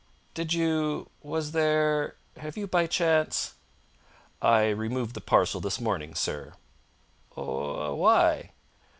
"Did you Was there Have you by chance " "I removed the parcel this morning, sir." "Oh ah why?"